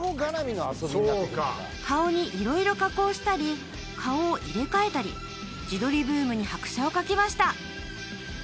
［顔に色々加工したり顔を入れ替えたり自撮りブームに拍車を掛けました］